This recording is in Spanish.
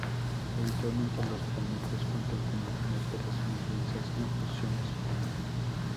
Habitualmente, los planetas cuentan con atmósferas más densas en función de su tamaño.